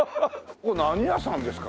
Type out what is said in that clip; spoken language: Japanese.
ここ何屋さんですか？